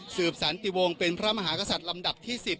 สันติวงศ์เป็นพระมหากษัตริย์ลำดับที่๑๐